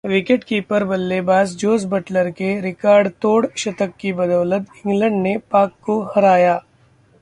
wicketkeeper बल्लेबाज Jos Buttler के रिकॉर्डतोड़ शतक की बदौलत इंग्लैंड ने पाक को हराया